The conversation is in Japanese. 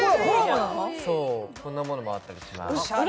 こんなものもあったりします。